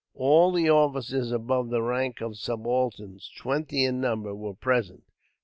All the officers above the rank of subalterns, twenty in number, were present.